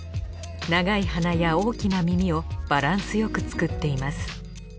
長い鼻や大きな耳をバランスよく作っています。